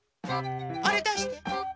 あれだして！